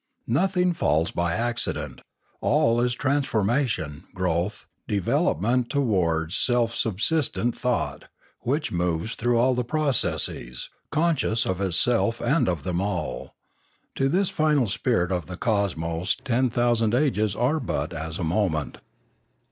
No thing falls by accident. All is transformation, growth, development towards self subsistent thought, which moves through all the processes, conscious of itself and of them all. To this final spirit of the cosmos ten thousand ages are but as a moment.